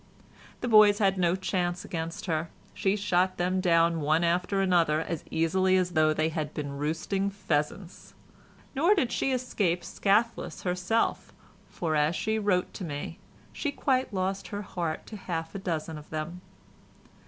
The boys had no chance against her, she shot them down one after another as easily as though they had been roosting pheasants. Nor did she escape scathless herself, for, as she wrote to me, she quite lost her heart to half a dozen of them.